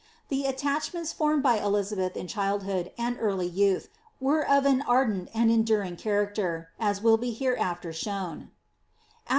The luachments formed by Elizabeth in childhood and early youth were of an ardent and enduring character, as will be hereafter shown.